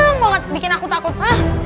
seneng banget bikin aku takut